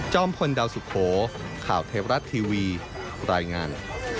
พลดาวสุโขข่าวเทวรัฐทีวีรายงาน